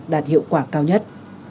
đạt hiệu quả cao nhất